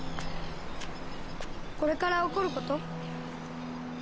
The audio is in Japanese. これから起こること？